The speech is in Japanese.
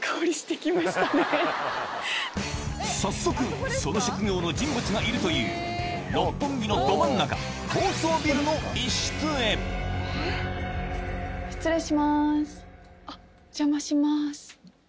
早速その職業の人物がいるという六本木のど真ん中あっお邪魔します。